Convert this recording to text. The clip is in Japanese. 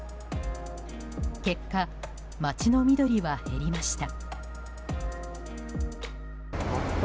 結果、街の緑は減りました。